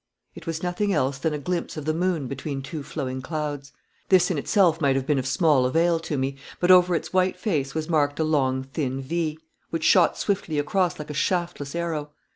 It was nothing else than a glimpse of the moon between two flowing clouds. This in itself might have been of small avail to me, but over its white face was marked a long thin V, which shot swiftly across like a shaftless arrow.